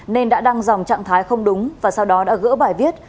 nên đã đăng dòng trạng thái không đúng và sau đó đã gỡ bài viết